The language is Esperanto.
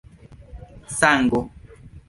sango